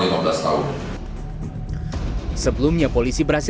sebelumnya polisi berhasil meringkukkan penjara di lapas banjai